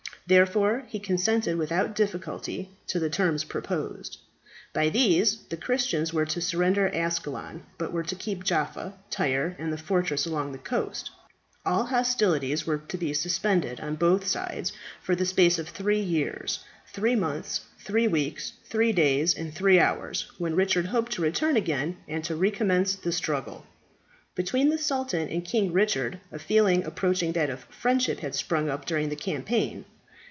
Therefore he consented without difficulty to the terms proposed. By these, the Christians were to surrender Ascalon, but were to keep Jaffa, Tyre, and the fortresses along the coast. All hostilities were to be suspended on both sides for the space of three years, three months, three weeks, three days, and three hours, when Richard hoped to return again and to recommence the struggle. Between the sultan and King Richard a feeling approaching that of friendship had sprung up during the campaign.